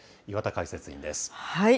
岩田解説委員です。